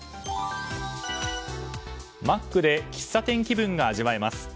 マックで喫茶店気分が味わえます。